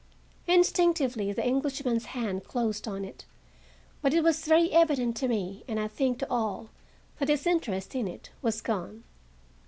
Instinctively the Englishman's hand closed on it, but it was very evident to me, and I think to all, that his interest in it was gone.